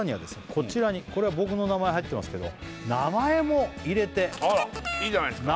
こちらにこれは僕の名前入ってますけど名前も入れてあらいいじゃないですか